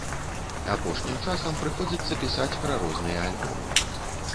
Апошнім часам прыходзіцца пісаць пра розныя альбомы.